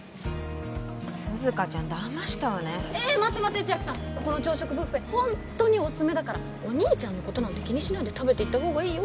涼香ちゃんだましたわねえっ待って待って千晶さんここの朝食ブッフェホントにオススメだからお兄ちゃんのことなんて気にしないで食べていった方がいいよ